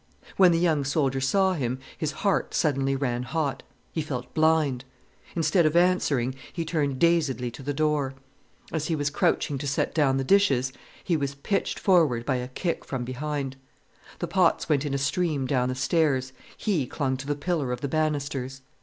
When the young soldier saw him his heart suddenly ran hot. He felt blind. Instead of answering, he turned dazedly to the door. As he was crouching to set down the dishes, he was pitched forward by a kick from behind. The pots went in a stream down the stairs, he clung to the pillar of the banisters.